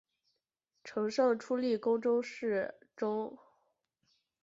承圣初历官至侍中。